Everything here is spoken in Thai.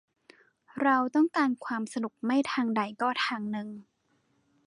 เราต้องการความสนุกไม่ทางใดก็ทางหนึ่ง